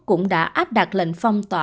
cũng đã áp đặt lệnh phong tỏa